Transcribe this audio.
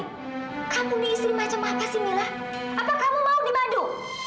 kamu nih isi macam apa sih mila apa kamu mau dimandu